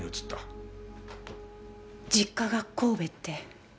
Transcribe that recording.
実家が神戸って。